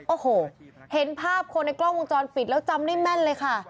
โอ้โหเห็นภาพคนในกล้องวงจรปิดแล้วจำได้แม่นเลยค่ะ